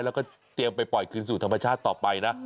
แล้วก็เตรียมไปปล่อยคืนสู่ธรรมชาติต่อไปนะ